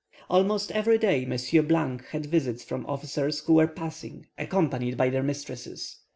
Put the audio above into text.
Almost every day Monsieur had visits from officers who were passing, accompanied by their mistresses.